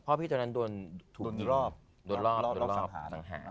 พ่อพี่ตอนนั้นโดนรอบสังหาร